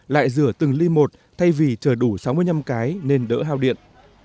lại rửa từng ly một thay vì chờ đủ sáu mươi năm cái nên đỡ hao điện